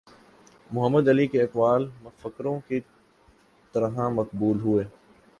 محمد علی کے اقوال مفکروں کی طرح مقبول ہوئے